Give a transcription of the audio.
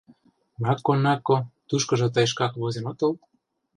На-ко, на-ко, тушкыжо тый шкак возен отыл?